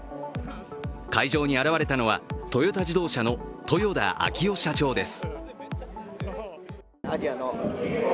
会場に現れたのはトヨタ自動車の豊田章男社長です。